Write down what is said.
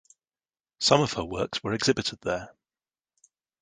Some of her works were exhibited there.